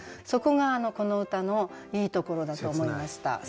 そこがこの歌のいいところだと思いました。